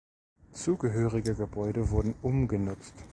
Zugehörige Gebäude wurden umgenutzt.